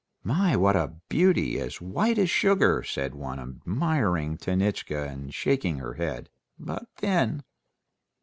"My, what a beauty! as white as sugar," said one, admiring Tanitchka, and shaking her head; "but thin...."